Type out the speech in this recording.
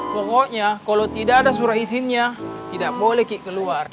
pokoknya kalo tidak ada surat isinnya tidak boleh kita keluar